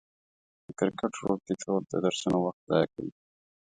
د کرکټ روږديتوب د درسونو وخت ضايع کوي.